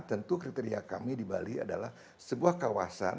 tentu kriteria kami di bali adalah sebuah kawasan